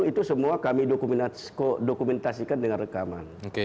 itu semua kami dokumentasikan dengan rekaman